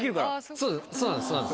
そうなんです。